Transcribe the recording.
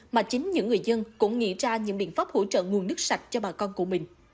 mà chính những người dân cũng nghĩ ra những biện pháp hỗ trợ nguồn nước sạch cho bà con của mình